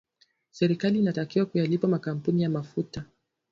serikali inatakiwa kuyalipa makampuni ya mafuta